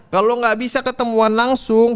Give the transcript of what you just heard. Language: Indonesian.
kalo gak bisa ketemuan langsung